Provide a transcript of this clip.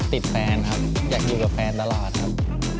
ติดแฟนครับอยากอยู่กับแฟนตลอดครับ